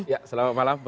ya selamat malam